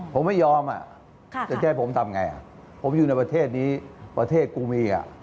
ผมไม่ยอมจะให้ผมทำไงผมอยู่ในประเทศนี้ประเทศกูมี